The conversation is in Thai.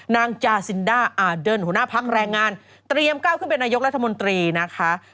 นางจาซินด้าอาเดินหัวหน้าพักแรงงานเตรียมก้าวขึ้นเป็นนายกรัฐมนตรีนะคะ